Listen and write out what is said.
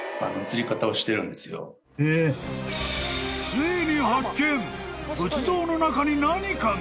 ［ついに発見］